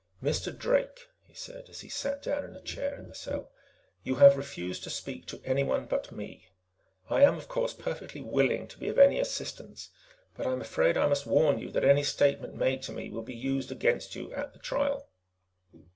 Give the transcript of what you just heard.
"Mr. Drake," he said as he sat down in a chair in the cell, "you have refused to speak to anyone but me. I am, of course, perfectly willing to be of any assistance, but I am afraid I must warn you that any statement made to me will be used against you at the trial."